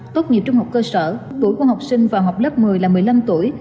tốt nghiệp trung học cơ sở tuổi của học sinh vào học lớp một mươi là một mươi năm tuổi